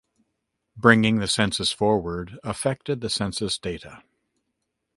Bringing the census forward affected the census data.